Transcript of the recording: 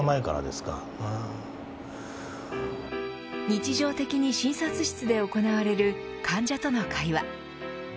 日常的に診察室で行われる患者との会話。